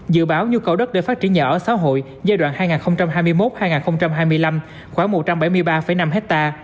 dự báo nhu cầu đất để phát triển nhà ở xã hội giai đoạn hai nghìn hai mươi một hai nghìn hai mươi năm khoảng một trăm bảy mươi ba năm ha